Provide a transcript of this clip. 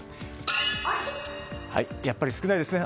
やっぱり少ないですね。